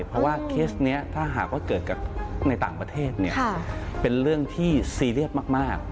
เพราะว่าเคสนี้ถ้าหากว่าเกิดกับในต่างประเทศเป็นเรื่องที่ซีเรียสมาก